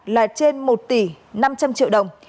là trên một tỷ năm trăm linh triệu đồng